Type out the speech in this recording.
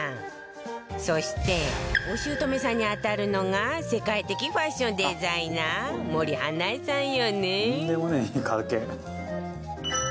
そしてお姑さんに当たるのが世界的ファッションデザイナー森英恵さんよね